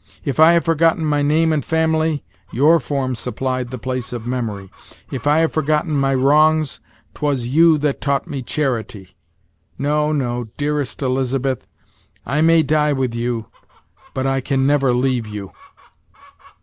If I have forgotten my name and family, your form supplied the place of memory. If I have forgotten my wrongs, 'twas you that taught me charity. No no dearest Elizabeth, I may die with you, but I can never leave you!"